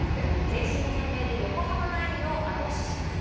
全身全霊で横浜ナインを後押しします。